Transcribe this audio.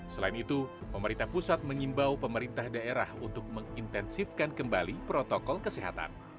selain itu pemerintah pusat mengimbau pemerintah daerah untuk mengintensifkan kembali protokol kesehatan